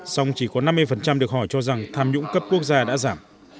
song chỉ có năm mươi được hỏi cho rằng tham nhũng cấp quốc gia đã giảm